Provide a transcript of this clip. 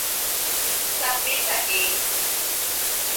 Submit again.